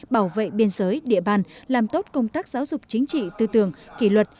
bảo vệ biên giới địa bàn làm tốt công tác giáo dục chính trị tư tưởng kỷ luật